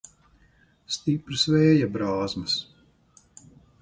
Stipras vēja brāzmas.